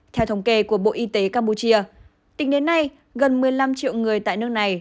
theo thống kê của bộ y tế campuchia tính đến nay gần một mươi năm triệu người tại nước này